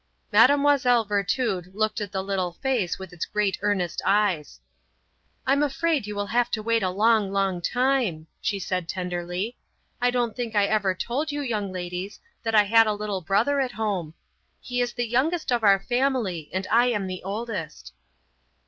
Mlle. Virtud looked at the little face with its great earnest eyes. "I'm afraid you will have to wait a long, long time," she said tenderly, "I don't think I ever told you young ladies that I had a little brother at home. He is the youngest of our family, and I am the oldest."